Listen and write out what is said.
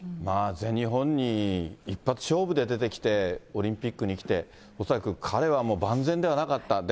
全日本に一発勝負で出てきて、オリンピックに来て、恐らく彼はもう、万全ではなかった。